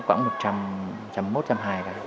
khoảng một trăm linh một trăm hai mươi cái